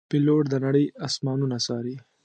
پیلوټ د نړۍ آسمانونه څاري.